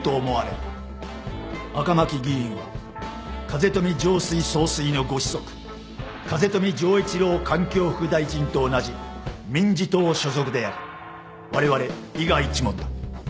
赤巻議員は風富城水総帥のご子息風富城一郎環境副大臣と同じ民事党所属でありわれわれ伊賀一門だ。